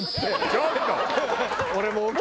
ちょっと！